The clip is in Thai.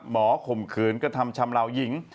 หมอข่มขือนก็ทำชำลาวหญิง